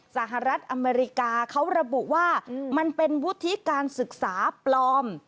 สหรัฐอเมริกาเขาระบุว่ามันเป็นวุฒิการศึกษาปลอม